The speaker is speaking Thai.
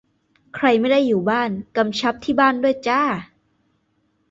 ใครไม่ได้อยู่บ้าน กำชับที่บ้านด้วยจ้า